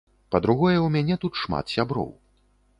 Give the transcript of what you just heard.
Па-другое ў мяне тут шмат сяброў.